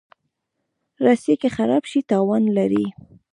رسۍ که خراب شي، تاوان لري.